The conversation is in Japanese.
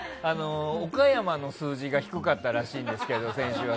岡山の数字が低かったらしいんですけど、先週は。